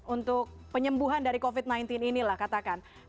untuk penyembuhan dari covid sembilan belas inilah katakan